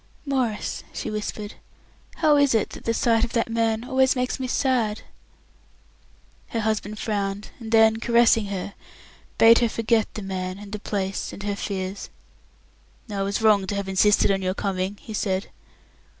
"Maurice," she whispered, "how is it that the sight of that man always makes me sad?" Her husband frowned, and then, caressing her, bade her forget the man and the place and her fears. "I was wrong to have insisted on your coming," he said.